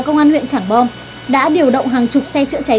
nguyện trảng bom đã điều động hàng chục xe chữa cháy